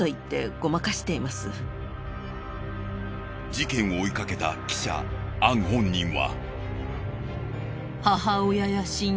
事件を追いかけた記者アン本人は。